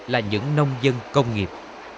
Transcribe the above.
là những nông dân công nghiệp